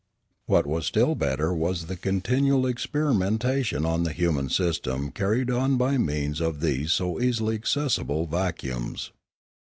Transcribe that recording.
What was still better was the continual experiment ation on the human system carried on by means of these so easily accessible vacuums.